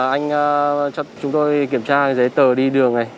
anh cho chúng tôi kiểm tra giấy tờ đi đường này